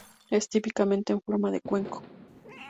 Es típicamente en forma de cuenco.